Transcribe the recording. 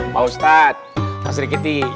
pak ustadz pak srikiti